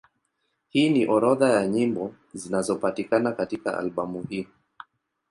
Hii ni orodha ya nyimbo zinazopatikana katika albamu hii.